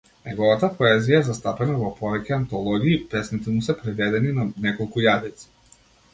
Неговата поезија е застапена во повеќе антологии, песните му се преведени на неколку јазици.